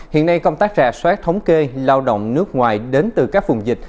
hiện nay công tác rạ soát thống kê lao động nước ngoài đến từ các vùng dịch